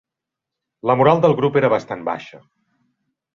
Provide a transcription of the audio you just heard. La moral del grup era bastant baixa.